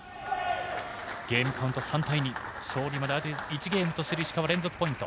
ゲームカウント３対２勝利まであと１ゲームとする石川、連続ポイント。